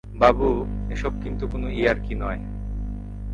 বাবু, এসব কিন্তু কোনো ইয়ার্কি নয়।